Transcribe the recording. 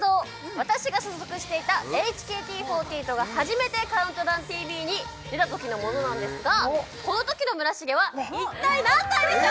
私が所属していたＨＫＴ４８が初めて「ＣＤＴＶ」に出た時のものなんですがこの時の村重は一体何歳でしょう？